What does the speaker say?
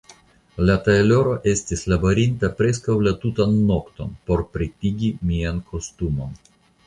La tajloro estis laborinta preskaŭ la tutan nokton por pretigi mian kostumon.